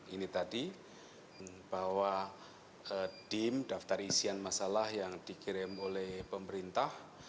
ini tadi bahwa dim daftar isian masalah yang dikirim oleh pemerintah